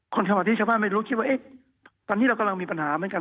คนที่ไม่รู้คิดว่าเอ๊ะตอนนี้เรากำลังมีปัญหาเหมือนกัน